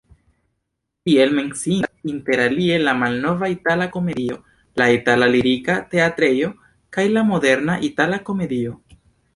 Tiel menciindas interalie la malnova Itala-Komedio, la itala Lirika-Teatrejo kaj la moderna Itala-Komedio.